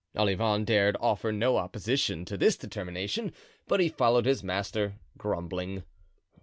Olivain dared offer no opposition to this determination but he followed his master, grumbling.